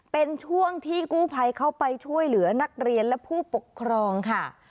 เป็นช่วงที่กู้ภัยเข้าไปช่วยเหลือนักเรียนและผู้ปกครองค่ะ